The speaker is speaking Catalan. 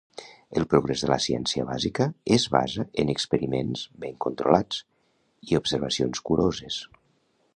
El progrés de la ciència bàsica es basa en experiments ben controlats i observacions curoses.